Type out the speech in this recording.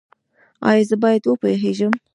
ایا زه باید وپوهیږم؟